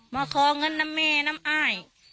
มาขอเงินน้ำแม่น้ำอ้าย